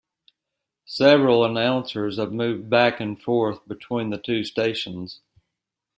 Several announcers have moved back and forth between the two stations.